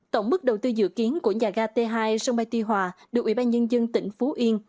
tổng mức đầu tư dự kiến của nhà ga t hai sân bay tuy hòa được ủy ban nhân dân tỉnh phú yên